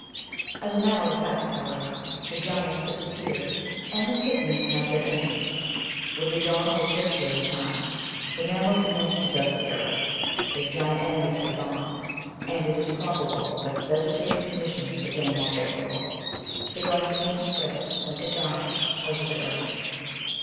As a matter of fact, however, the giants disappeared, and the pigmies had their innings. With the dawn of the Tertiary time, the mammals began to possess the earth. Their giant enemies had gone, and it is probable that the vegetative con ditions became more favourable. The grass began to spread like a garment over the earth.